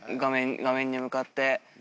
画面に向かって。